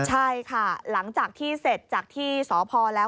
ใช่ค่ะหลังจากที่เสร็จจากที่สพแล้ว